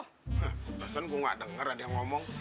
hah rasanya gua gak denger ada yang ngomong